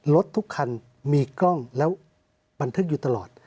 รถทุกคันมีกล้องแล้วบันทึกอยู่ตลอด